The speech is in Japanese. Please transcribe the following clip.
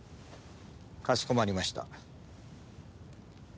かしこまりました。